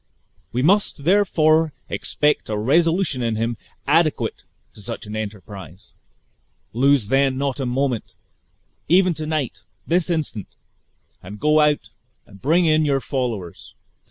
We must therefore expect a resolution in him adequate to such an enterprise. Lose not then a moment; even to night, this instant, and go out and bring in your followers!